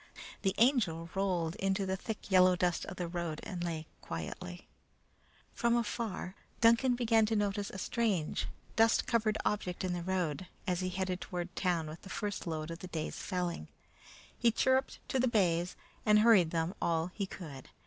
The Angel rolled into the thick yellow dust of the road and lay quietly. From afar, Duncan began to notice a strange, dust covered object in the road, as he headed toward town with the first load of the day's felling. He chirruped to the bays and hurried them all he could.